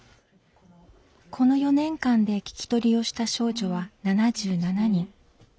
この４年間で聞き取りをした少女は７７人。